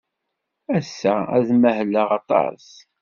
Ass-a, ad mahleɣ aṭas.